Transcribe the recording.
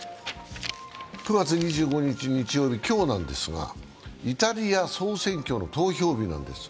９月２５日日曜日、今日なんですがイタリア総選挙の投票日なんです。